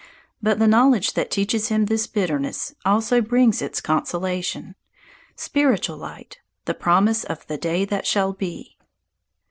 But the knowledge that teaches him this bitterness also brings its consolation spiritual light, the promise of the day that shall be.